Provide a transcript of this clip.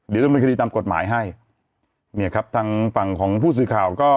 เดี๋ยวดำเนินคดีตามกฎหมายให้เนี่ยครับทางฝั่งของผู้สื่อข่าวก็